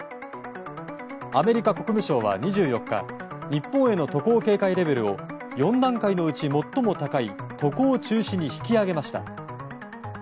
アメリカ国務省は２４日日本への渡航警戒レベルを４段階のうち最も高い渡航中止に引き上げました。